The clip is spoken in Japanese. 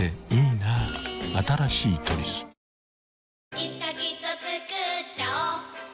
いつかきっとつくっちゃおう